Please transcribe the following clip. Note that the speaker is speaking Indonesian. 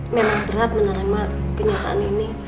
memang berat menerima kenyataan ini